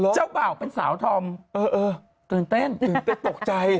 เจ้าเปล่าเป็นสาวทอมตื่นเต้นตกใจ